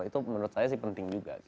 itu menurut saya sih penting juga